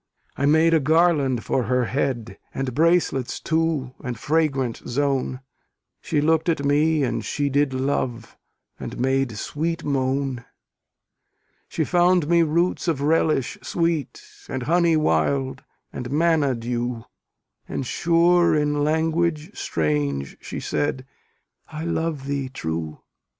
I made a garland for her head, And bracelets too, and fragrant zone; She look'd at me and she did love, And made sweet moan. She found me roots of relish sweet, And honey wild, and manna dew; And sure in language strange she said, I love thee true.